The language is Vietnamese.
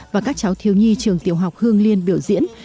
và các cháu thiếu nhi trường tiểu học hương liên biểu diễn